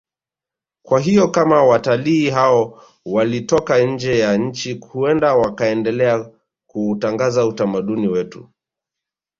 Kwa hiyo kama watalii hao walitoka nje ya nchi huenda wakaendelea kuutangaza utamaduni wetu